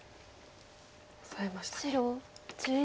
オサえましたね。